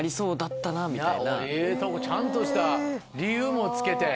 ちゃんとした理由も付けて。